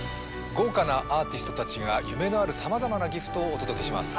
豪華なアーティストたちが夢のあるさまざまなＧＩＦＴをお届けします